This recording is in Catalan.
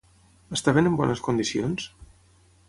Estaven en bones condicions?